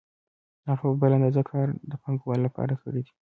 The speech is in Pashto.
هغه بله اندازه کار د پانګوال لپاره کړی دی